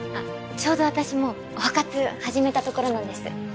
ちょうど私も保活始めたところなんです